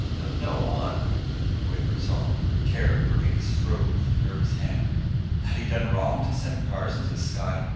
"No one," quavered Solomon, terror gripping his throat with a nervous hand. Had he done wrong to send cars into the sky?